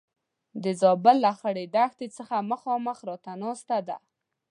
د زابل له خړې دښتې څخه مخامخ راته ناسته ده.